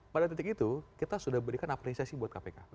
pada titik itu kita sudah berikan apresiasi buat kpk